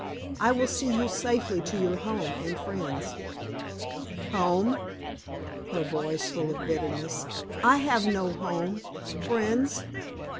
I will see you safely to your home and friends." "Home?" her voice full of bitterness "I have no home. Friends?